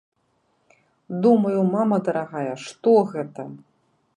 Думаю, мама дарагая, што гэта?!